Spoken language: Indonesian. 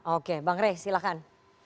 oke bang rey silahkan